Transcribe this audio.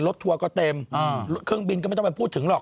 ทัวร์ก็เต็มเครื่องบินก็ไม่ต้องไปพูดถึงหรอก